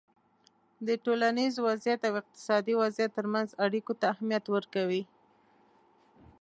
د ټولنیز وضععیت او اقتصادي وضعیت ترمنځ اړیکو ته اهمیت ورکوی